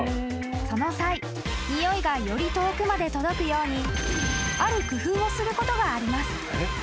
［その際においがより遠くまで届くようにある工夫をすることがあります］